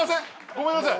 ごめんなさい。